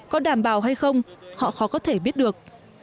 có đảm bảo hay không họ khó có thể biết được